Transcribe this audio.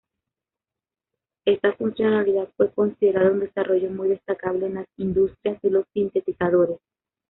Esta funcionalidad fue considerada un desarrollo muy destacable en la industria de los sintetizadores.